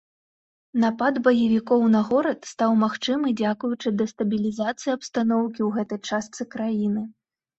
Напад баевікоў на горад стаў магчымы дзякуючы дэстабілізацыі абстаноўкі ў гэтай частцы краіны.